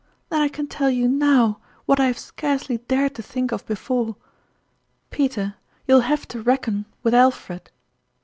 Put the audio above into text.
"Then I can tell you now what I have scarcely dared to think of before. Peter, you will have to reckon with Alfred